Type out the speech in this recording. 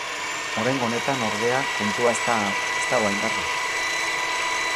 Oraingo honetan, ordea, kontua ez da dago hain garbi.